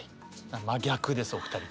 真逆ですお二人と。